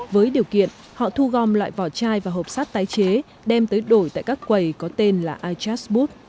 với điều kiện họ thu gom loại vỏ chai và hộp sát tái chế đem tới đổi tại các quầy có tên là ichas bood